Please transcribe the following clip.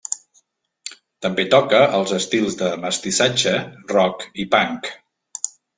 També toca els estils de mestissatge, rock i punk.